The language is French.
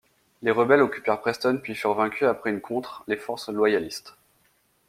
Les rebelles occupèrent Preston puis furent vaincus après une contre les forces loyalistes.